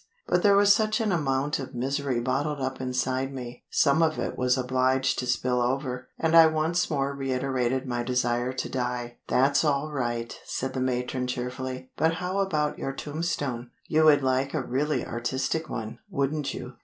But there was such an amount of misery bottled up inside me, some of it was obliged to spill over, and I once more reiterated my desire to die. "That's all right," said the matron cheerfully; "but how about your tombstone? You would like a really artistic one, wouldn't you?